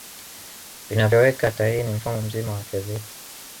Vinavyoweka hatarini mfumo mzima wa afya zetu